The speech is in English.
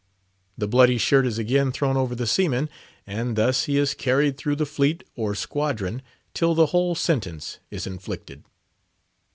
The bloody shirt is again thrown over the seaman; and thus he is carried through the fleet or squadron till the whole sentence is inflicted.